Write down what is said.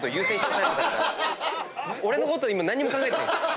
俺のこと今何にも考えてない。